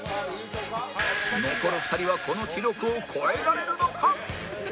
残る２人はこの記録を超えられるのか？